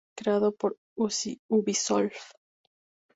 Creado por ubisoft.